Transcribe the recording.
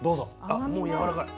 あもうやわらかい。